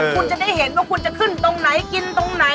พิเศษจริงนะคะ